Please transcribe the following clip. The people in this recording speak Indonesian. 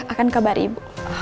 akan kabar ibu